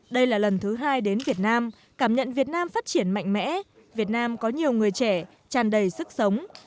đây là lần thứ hai đến việt nam cảm nhận việt nam phát triển mạnh mẽ việt nam có nhiều người trẻ tràn đầy sức sống